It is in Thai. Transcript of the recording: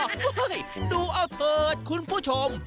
โอ้โหดูเอาเถิดคุณผู้ชม